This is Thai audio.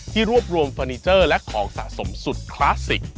รวบรวมเฟอร์นิเจอร์และของสะสมสุดคลาสสิก